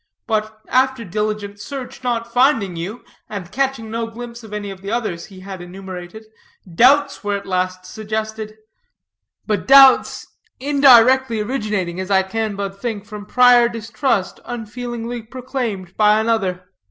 But, after diligent search, not finding you, and catching no glimpse of any of the others he had enumerated, doubts were at last suggested; but doubts indirectly originating, as I can but think, from prior distrust unfeelingly proclaimed by another.